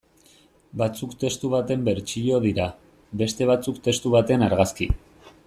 Batzuk testu baten bertsio dira, beste batzuk testu baten argazki.